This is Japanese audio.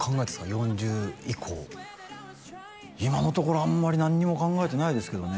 ４０以降今のところあんまり何にも考えてないですけどね